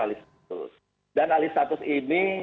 alih status dan alih status ini